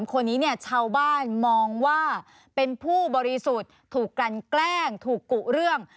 คนนี้เนี่ยชาวบ้านมองว่าเป็นผู้บริสุทธิ์ถูกกันแกล้งถูกกุเรื่อง